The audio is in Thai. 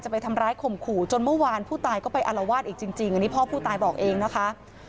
จัดการเรื่องโรงศพต่างค่ะ